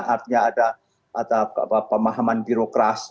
artinya ada pemahaman birokrasi